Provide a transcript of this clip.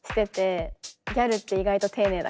ギャルって意外と丁寧だから。